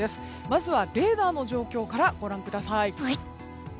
まずはレーダーの状況からご覧ください。